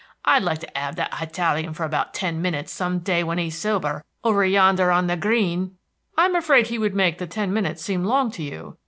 "I'd like to 'ave that Hitalian for about ten minutes, some day when he's sober, over yonder on the green." "I'm afraid he would make the ten minutes seem long to you."